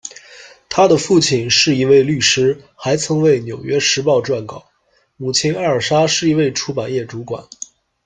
她的父亲是一位律师，还曾为《纽约时报》撰稿；母亲艾尔莎是一位出版业主管。